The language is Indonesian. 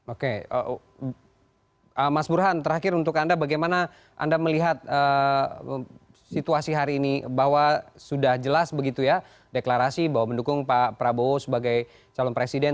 oke mas burhan terakhir untuk anda bagaimana anda melihat situasi hari ini bahwa sudah jelas begitu ya deklarasi bahwa mendukung pak prabowo sebagai calon presiden